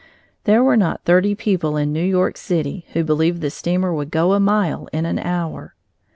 There were not thirty people in New York city who believed the steamer would go a mile in an hour.